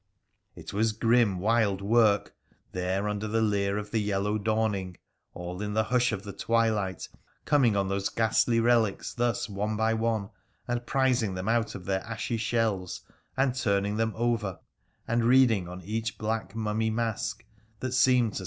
It was grim wild work, there under the leer of the yellow dawning, all in the hush of the twilight, coming on those ghastly relics thus one by one, and prising them out of their ashy shells, and turning them over, and reading on each black mummy mask, that seemed tc